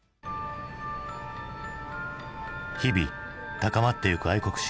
日々高まってゆく愛国心。